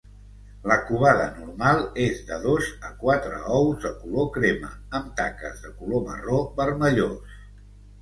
La covada normal és de dos a quatre ous de color crema amb taques de color marró vermellós.